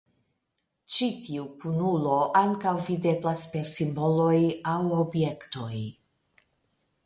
Ĉi tiu kunulo ankaŭ videblas per simboloj aŭ objektoj.